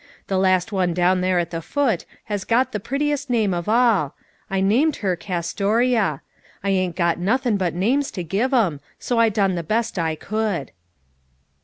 The last one down there at the foot has got the prettiest name of all ; I named her Castoria, I ain't got nothin' but names to give 'em, 80 I done the best I could.'